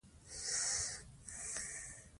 د پښتو په ژبه سوله راولو.